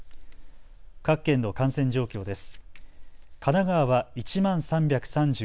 各県の感染状況です。